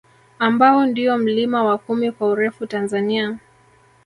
Ambao ndio mlima wa kumi kwa urefu Tanzania